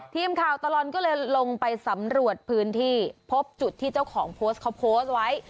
ตลอดก็เลยลงไปสำรวจพื้นที่พบจุดที่เจ้าของโพสต์เขาโพสต์ไว้